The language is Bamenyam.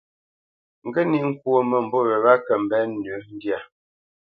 Ŋge níʼ ŋkwó mə́mbû wě wa kə mbenə́ nʉ́ ndyâ.